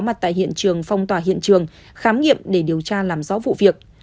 công an đã có mặt tại hiện trường phong tỏa hiện trường khám nghiệm để điều tra làm rõ vụ việc